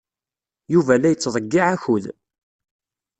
Yuba la yettḍeyyiɛ akud.